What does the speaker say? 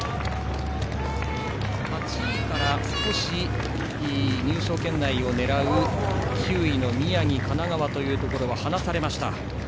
８位から少し入賞圏内を狙う９位の宮城、神奈川は離されました。